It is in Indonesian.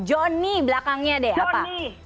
jonny belakangnya deh apa